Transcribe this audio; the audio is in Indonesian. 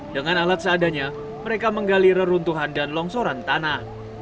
dengan alat seadanya mereka menggali reruntuhan dan longsoran tanah